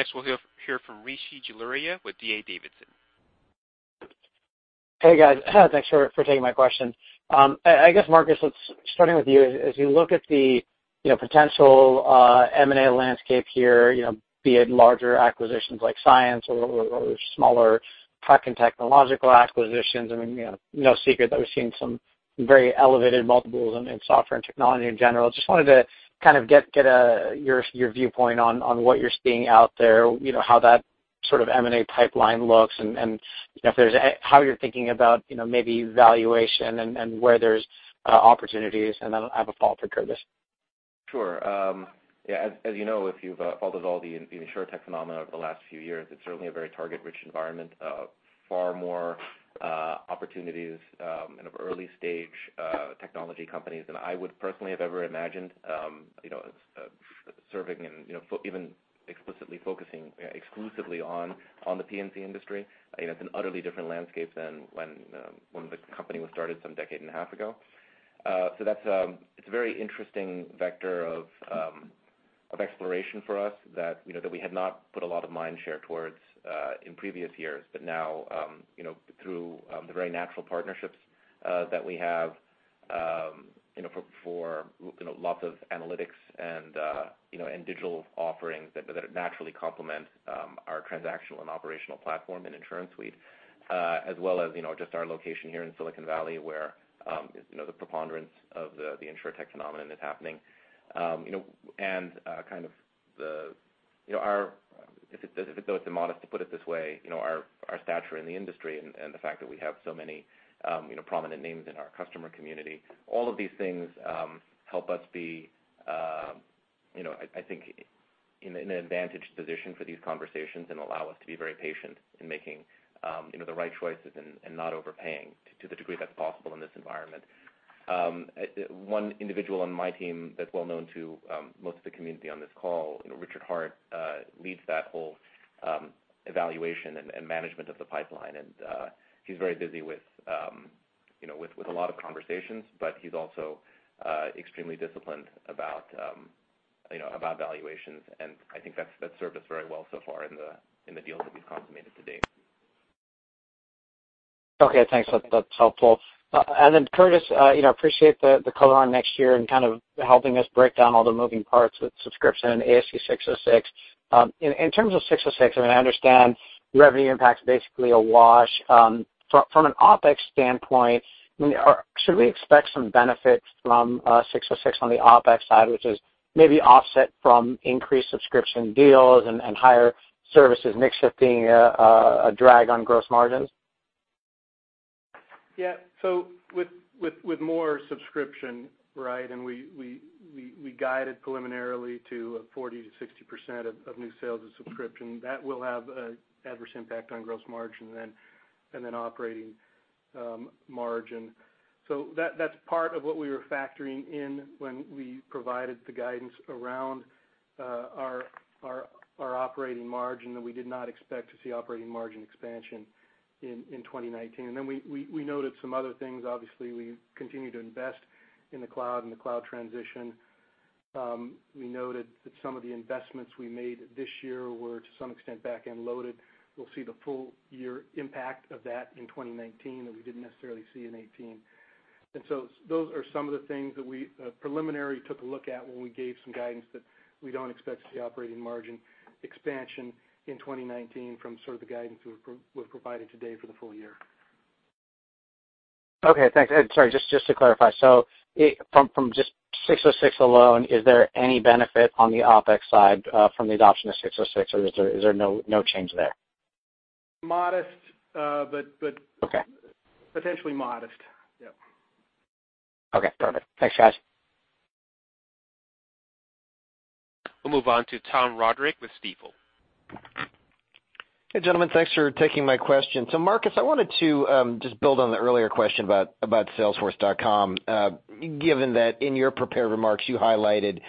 Next, we'll hear from Rishi Jaluria with D.A. Davidson. Hey, guys. Thanks for taking my question. I guess, Marcus, let's starting with you. As you look at the potential M&A landscape here, be it larger acquisitions like Cyence or smaller tech and technological acquisitions, I mean, no secret that we've seen some very elevated multiples in software and technology in general. Just wanted to kind of get your viewpoint on what you're seeing out there, how that sort of M&A pipeline looks, and how you're thinking about maybe valuation and where there's opportunities. Then I'll have a follow-up for Curtis. Sure. Yeah, as you know, if you've followed us all the Insurtech phenomena over the last few years, it's certainly a very target-rich environment. Far more opportunities in early-stage technology companies than I would personally have ever imagined serving and even explicitly focusing exclusively on the P&C industry. It's an utterly different landscape than when the company was started some decade and a half ago. It's a very interesting vector of exploration for us that we had not put a lot of mind share towards in previous years. But now, through the very natural partnerships that we have for lots of analytics and digital offerings that naturally complement our transactional and operational platform in InsuranceSuite, as well as just our location here in Silicon Valley where the preponderance of the Insurtech phenomenon is happening. kind of the, if it's modest to put it this way, our stature in the industry and the fact that we have so many prominent names in our customer community. All of these things help us be I think in an advantaged position for these conversations and allow us to be very patient in making the right choices and not overpaying to the degree that's possible in this environment. One individual on my team that's well known to most of the community on this call, Richard Hart, leads that whole evaluation and management of the pipeline. He's very busy with a lot of conversations, but he's also extremely disciplined about valuations, and I think that's served us very well so far in the deals that we've consummated to date. Okay, thanks. That's helpful. Curtis, appreciate the color on next year and kind of helping us break down all the moving parts with subscription ASC 606. In terms of 606, I mean, I understand revenue impact's basically a wash. From an OpEx standpoint, should we expect some benefit from 606 on the OpEx side, which is maybe offset from increased subscription deals and higher services mix shifting a drag on gross margins? Yeah. With more subscription, right? We guided preliminarily to a 40%-60% of new sales is subscription. That will have an adverse impact on gross margin and then operating margin. That's part of what we were factoring in when we provided the guidance around our operating margin, that we did not expect to see operating margin expansion in 2019. We noted some other things. Obviously, we continue to invest in the cloud and the cloud transition. We noted that some of the investments we made this year were to some extent backend loaded. We'll see the full-year impact of that in 2019 that we didn't necessarily see in 2018. Those are some of the things that we preliminarily took a look at when we gave some guidance that we don't expect to see operating margin expansion in 2019 from sort of the guidance we've provided today for the full year. Okay, thanks. Sorry, just to clarify. From just 606 alone, is there any benefit on the OpEx side from the adoption of 606, or is there no change there? Modest. Okay. Potentially modest. Yep. Okay, perfect. Thanks, guys. We'll move on to Thomas Roderick with Stifel. Hey, gentlemen, thanks for taking my question. Marcus, I wanted to just build on the earlier question about salesforce.com. Given that in your prepared remarks you highlighted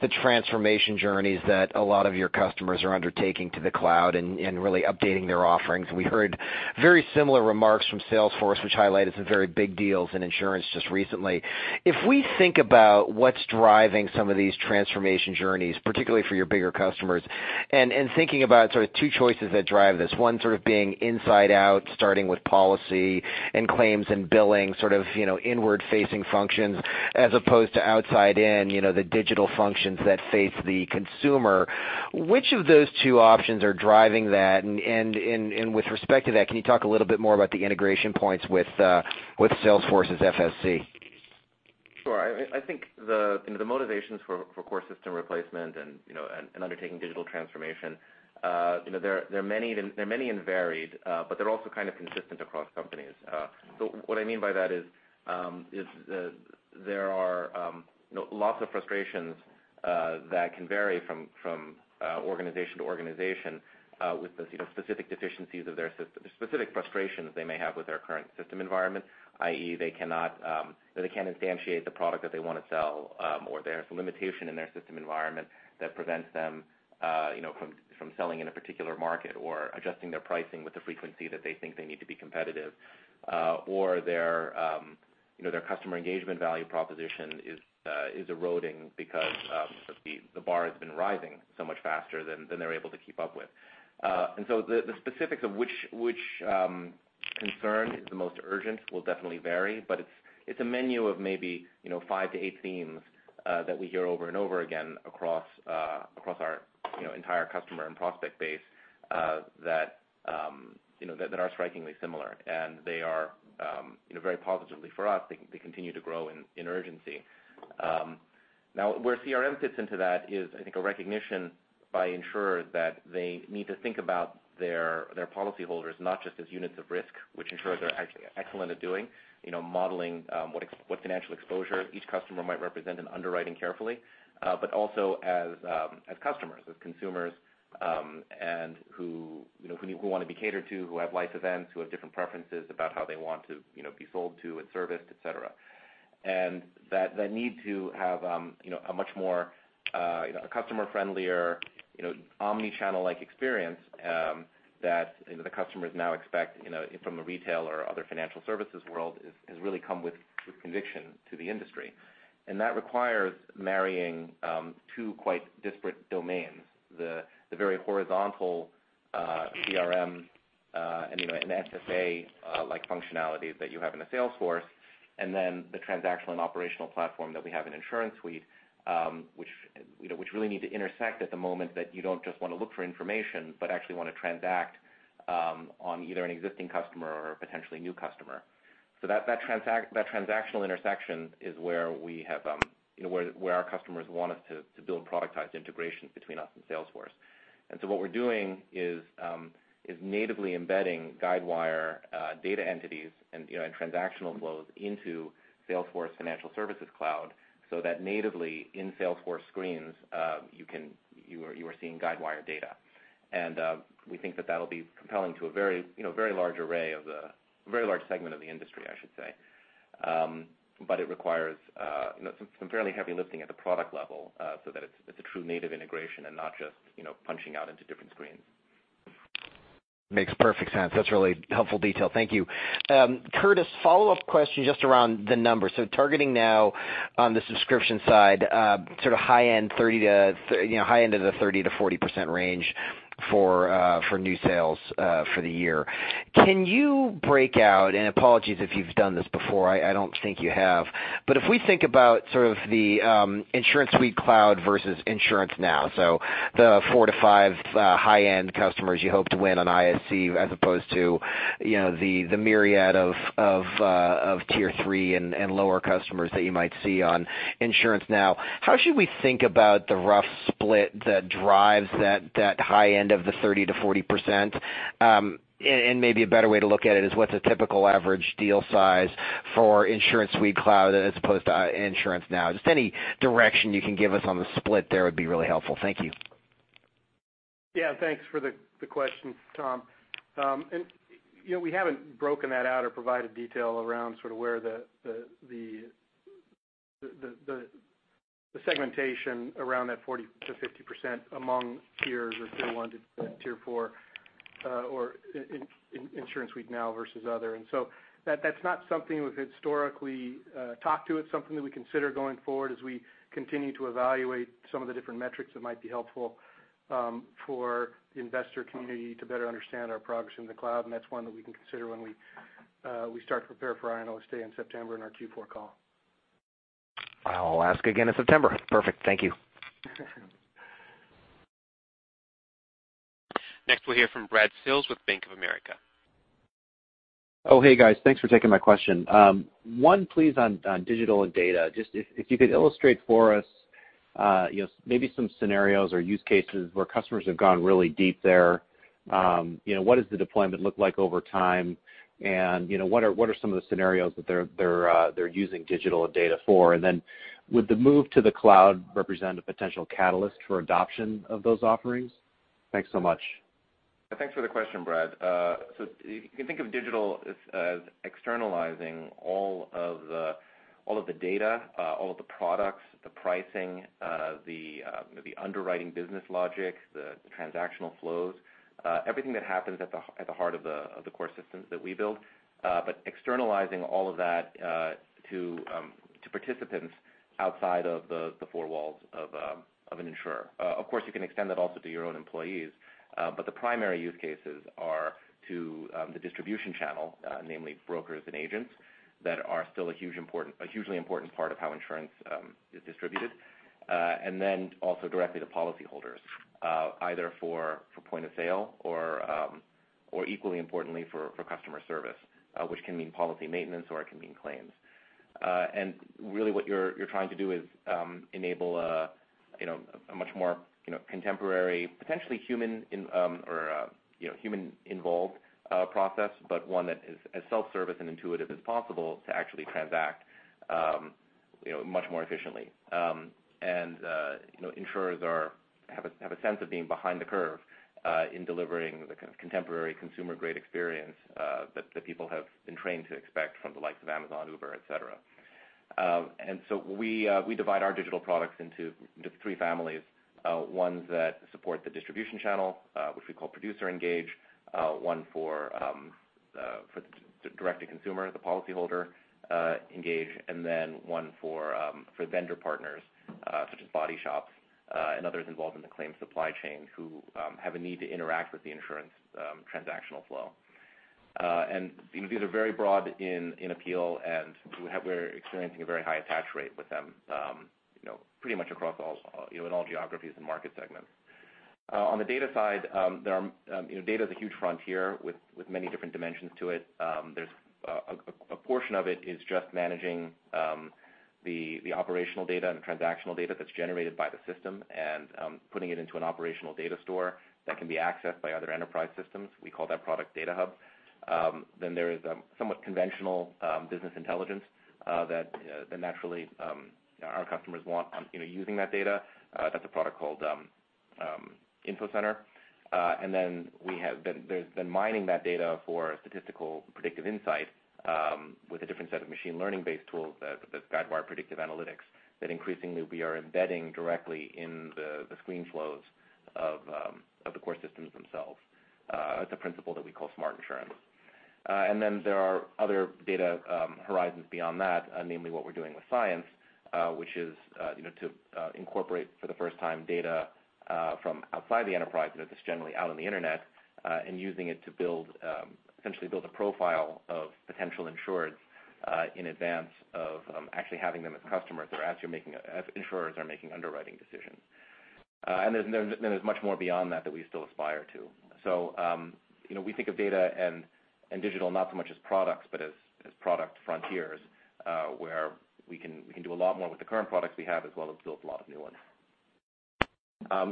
the transformation journeys that a lot of your customers are undertaking to the cloud and really updating their offerings. We heard very similar remarks from Salesforce, which highlighted some very big deals in insurance just recently. If we think about what's driving some of these transformation journeys, particularly for your bigger customers, and thinking about sort of two choices that drive this. One sort of being inside out, starting with policy and claims and billing, sort of inward-facing functions, as opposed to outside in, the digital functions that face the consumer. Which of those two options are driving that? With respect to that, can you talk a little bit more about the integration points with Salesforce's FSC? I think the motivations for core system replacement and undertaking digital transformation they're many and varied. They're also kind of consistent across companies. What I mean by that is there are lots of frustrations that can vary from organization to organization with the specific deficiencies of their specific frustrations they may have with their current system environment, i.e., they can't instantiate the product that they want to sell, or there's a limitation in their system environment that prevents them from selling in a particular market or adjusting their pricing with the frequency that they think they need to be competitive. Their customer engagement value proposition is eroding because the bar has been rising so much faster than they're able to keep up with. The specifics of which concern is the most urgent will definitely vary, but it's a menu of maybe five to eight themes that we hear over and over again across our entire customer and prospect base that are strikingly similar, and they are very positively for us. They continue to grow in urgency. Where CRM fits into that is, I think, a recognition by insurers that they need to think about their policyholders not just as units of risk, which insurers are actually excellent at doing, modeling what financial exposure each customer might represent in underwriting carefully. Also as customers, as consumers, and who want to be catered to, who have life events, who have different preferences about how they want to be sold to and serviced, et cetera. That need to have a much more customer-friendlier, omni-channel-like experience that the customers now expect from a retail or other financial services world has really come with conviction to the industry. That requires marrying two quite disparate domains, the very horizontal CRM and SFA-like functionalities that you have in a Salesforce, and then the transactional and operational platform that we have in InsuranceSuite which really need to intersect at the moment that you don't just want to look for information, but actually want to transact on either an existing customer or potentially a new customer. That transactional intersection is where our customers want us to build productized integrations between us and Salesforce. What we're doing is natively embedding Guidewire data entities and transactional flows into Salesforce Financial Services Cloud, so that natively in Salesforce screens, you are seeing Guidewire data. We think that that'll be compelling to a very large segment of the industry, I should say. It requires some fairly heavy lifting at the product level so that it's a true native integration and not just punching out into different screens. Makes perfect sense. That's a really helpful detail. Thank you. Curtis, follow-up question just around the numbers. Targeting now on the subscription side, sort of high end of the 30%-40% range for new sales for the year. Can you break out, and apologies if you've done this before, I don't think you have, but if we think about sort of the InsuranceSuite Cloud versus InsuranceNow, so the four to five high-end customers you hope to win on ISC as opposed to the myriad of tier 3 and lower customers that you might see on InsuranceNow, how should we think about the rough split that drives that high end of the 30%-40%? Maybe a better way to look at it is what's a typical average deal size for InsuranceSuite Cloud as opposed to InsuranceNow? Just any direction you can give us on the split there would be really helpful. Thank you. Yeah, thanks for the question, Tom. We haven't broken that out or provided detail around sort of where the segmentation around that 40%-50% among tiers or tier 1 to tier 4 or InsuranceNow versus other. That's not something we've historically talked to. It's something that we consider going forward as we continue to evaluate some of the different metrics that might be helpful for the investor community to better understand our progress in the cloud. That's one that we can consider when we start to prepare for our Analyst Day in September on our Q4 call. I'll ask again in September. Perfect. Thank you. Next, we'll hear from Brad Sills with Bank of America. Hey, guys. Thanks for taking my question. One please on digital and data. Just if you could illustrate for us maybe some scenarios or use cases where customers have gone really deep there. What does the deployment look like over time? What are some of the scenarios that they're using digital and data for? Would the move to the cloud represent a potential catalyst for adoption of those offerings? Thanks so much. Thanks for the question, Brad. You can think of digital as externalizing all of the data, all of the products, the pricing, the underwriting business logic, the transactional flows, everything that happens at the heart of the core systems that we build. Externalizing all of that to participants outside of the four walls of an insurer. Of course, you can extend that also to your own employees. The primary use cases are to the distribution channel, namely brokers and agents, that are still a hugely important part of how insurance is distributed. Also directly to policyholders, either for point of sale or equally importantly, for customer service, which can mean policy maintenance or it can mean claims. What you're trying to do is enable a much more contemporary, potentially human involved process, but one that is as self-service and intuitive as possible to actually transact much more efficiently. Insurers have a sense of being behind the curve in delivering the kind of contemporary consumer-grade experience that people have been trained to expect from the likes of Amazon, Uber, et cetera. We divide our digital products into three families. Ones that support the distribution channel, which we call ProducerEngage, one for direct to consumer, the PolicyholderEngage, and then one for vendor partners, such as body shops and others involved in the claims supply chain who have a need to interact with the insurance transactional flow. These are very broad in appeal, and we're experiencing a very high attach rate with them pretty much in all geographies and market segments. On the data side, data is a huge frontier with many different dimensions to it. A portion of it is just managing the operational data and transactional data that's generated by the system and putting it into an operational data store that can be accessed by other enterprise systems. We call that product DataHub. There is a somewhat conventional Business Intelligence that naturally our customers want using that data. That's a product called InfoCenter. There's been mining that data for statistical predictive insight with a different set of machine learning-based tools that Guidewire Predictive Analytics that increasingly we are embedding directly in the screen flows of the core systems themselves. It's a principle that we call smart insurance. There are other data horizons beyond that, namely what we're doing with Cyence, which is to incorporate for the first time data from outside the enterprise, that's generally out on the internet, and using it to essentially build a profile of potential insureds in advance of actually having them as customers or as insurers are making underwriting decisions. There's much more beyond that that we still aspire to. We think of data and digital not so much as products, but as product frontiers, where we can do a lot more with the current products we have as well as build a lot of new ones.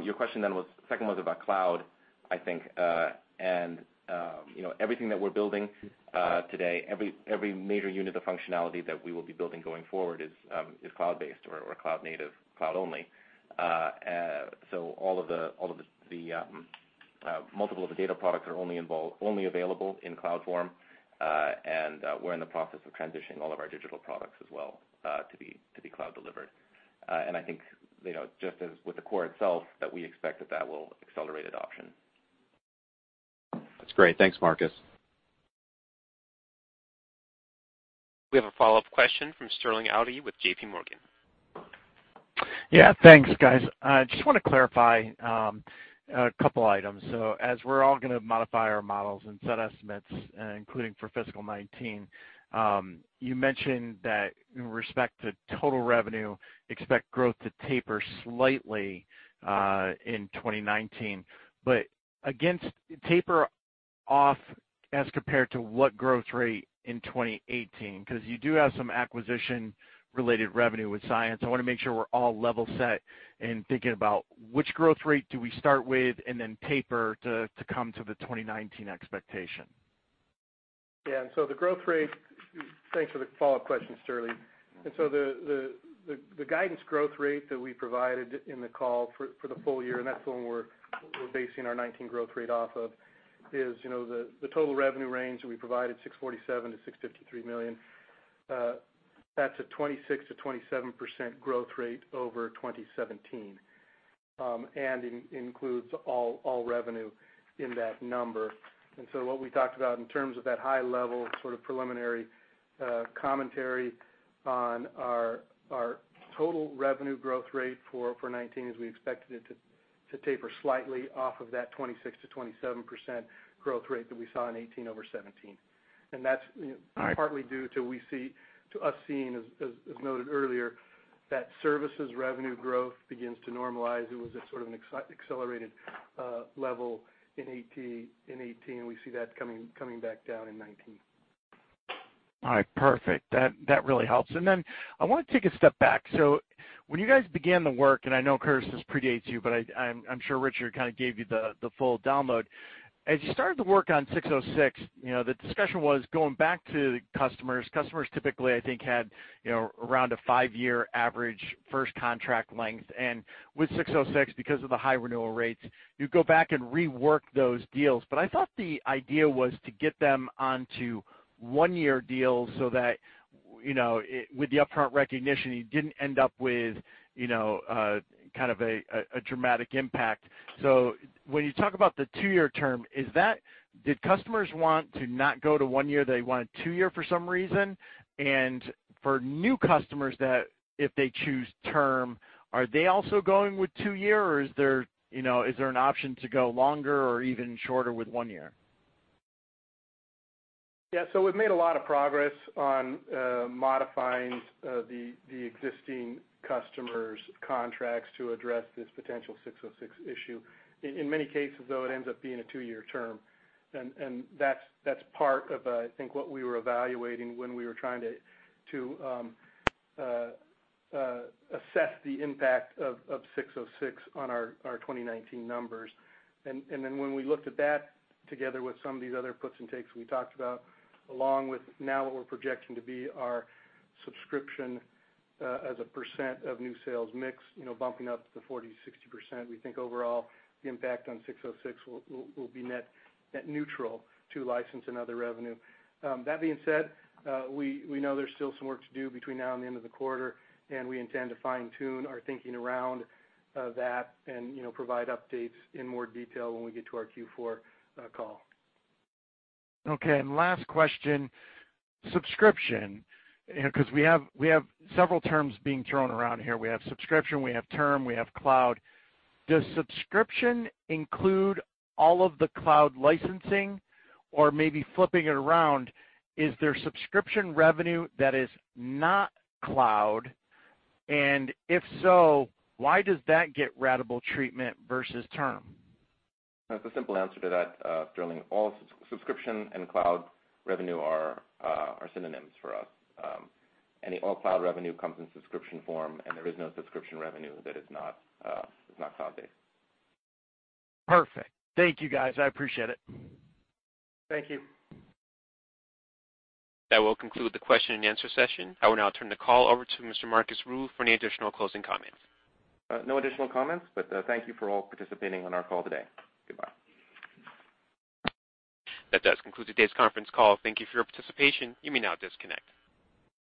Your question then second was about cloud, I think. Everything that we're building today, every major unit of functionality that we will be building going forward is cloud-based or cloud native, cloud only. Multiple of the data products are only available in cloud form. We're in the process of transitioning all of our digital products as well to be cloud delivered. I think just as with the core itself, that we expect that will accelerate adoption. That's great. Thanks, Marcus. We have a follow-up question from Sterling Auty with JPMorgan. Yeah. Thanks, guys. I just want to clarify a couple items. As we're all going to modify our models and set estimates, including for fiscal 2019, you mentioned that in respect to total revenue, expect growth to taper slightly in 2019. Against taper off as compared to what growth rate in 2018? Because you do have some acquisition related revenue with Cyence. I want to make sure we're all level set in thinking about which growth rate do we start with and then taper to come to the 2019 expectation? Yeah. Thanks for the follow-up question, Sterling. The guidance growth rate that we provided in the call for the full year, and that's the one we're basing our 2019 growth rate off of, is the total revenue range that we provided, $647 million-$653 million. That's a 26%-27% growth rate over 2017. Includes all revenue in that number. What we talked about in terms of that high level sort of preliminary commentary on our total revenue growth rate for 2019, is we expected it to taper slightly off of that 26%-27% growth rate that we saw in 2018 over 2017. That's partly due to us seeing, as noted earlier, that services revenue growth begins to normalize. It was a sort of an accelerated level in 2018, and we see that coming back down in 2019. All right. Perfect. That really helps. I want to take a step back. When you guys began the work, I know Curtis, this predates you, but I'm sure Richard kind of gave you the full download. As you started to work on 606, the discussion was going back to the customers. Customers typically, I think, had around a 5-year average first contract length. With 606, because of the high renewal rates, you go back and rework those deals. I thought the idea was to get them onto 1-year deals so that with the upfront recognition, you didn't end up with kind of a dramatic impact. When you talk about the 2-year term, did customers want to not go to 1 year? They wanted 2 year for some reason? For new customers, if they choose term, are they also going with 2 year, or is there an option to go longer or even shorter with 1 year? Yeah. We've made a lot of progress on modifying the existing customers' contracts to address this potential 606 issue. In many cases, though, it ends up being a 2-year term, and that's part of, I think, what we were evaluating when we were trying to assess the impact of 606 on our 2019 numbers. When we looked at that together with some of these other puts and takes we talked about, along with now what we're projecting to be our subscription as a % of new sales mix bumping up to 40%-60%, we think overall the impact on 606 will be net neutral to license and other revenue. That being said, we know there's still some work to do between now and the end of the quarter, and we intend to fine-tune our thinking around that and provide updates in more detail when we get to our Q4 call. Last question, subscription, because we have several terms being thrown around here. We have subscription, we have term, we have cloud. Does subscription include all of the cloud licensing? Or maybe flipping it around, is there subscription revenue that is not cloud? If so, why does that get ratable treatment versus term? There's a simple answer to that, Sterling. All subscription and cloud revenue are synonyms for us. All cloud revenue comes in subscription form, and there is no subscription revenue that is not cloud-based. Perfect. Thank you, guys. I appreciate it. Thank you. That will conclude the question and answer session. I will now turn the call over to Mr. Marcus Ryu for any additional closing comments. No additional comments. Thank you for all participating on our call today. Goodbye. That does conclude today's conference call. Thank you for your participation. You may now disconnect.